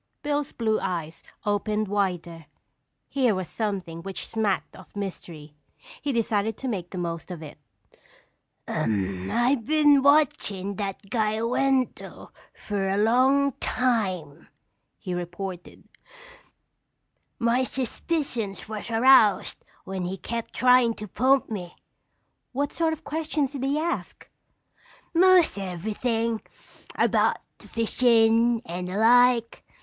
Bill's blue eyes opened wider. Here was something which smacked of mystery. He decided to make the most of it. "I been watchin' that guy Wendell fer a long time," he reported. "My suspicions was aroused when he kept trying' to pump me." "What sort of questions did he ask?" "Most everything. About the fishin' and the like.